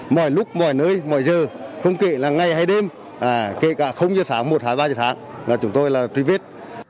mọi lúc mọi nơi mọi giờ không kể là ngày hay đêm kể cả giờ tháng một hay ba giờ sáng là chúng tôi là truy vết